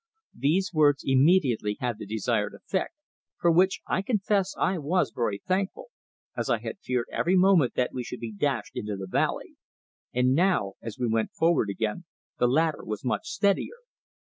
These words immediately had the desired effect, for which I confess I was very thankful, as I had feared every moment that we should be dashed into the valley, and now as we went forward again the ladder was much steadier.